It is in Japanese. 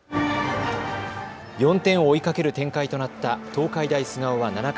４点を追いかける展開となった東海大菅生は７回。